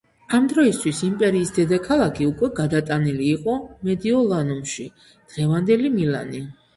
ამ დროისთვის იმპერიის დედაქალაქი უკვე გადატანილი იყო მედიოლანუმში, დღევანდელი მილანი.